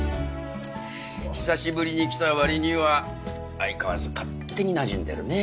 久しぶりに来たわりには相変わらず勝手になじんでるね